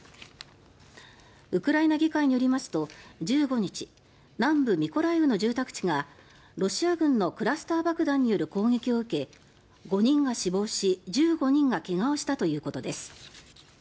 ウクライナ議会によりますと１５日南部ミコライウの住宅地がロシア軍のクラスター爆弾による攻撃を受け、５人が死亡し１５人が怪我をしたということです。